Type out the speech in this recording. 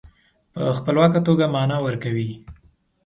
په خپلواکه توګه معنا ورکوي.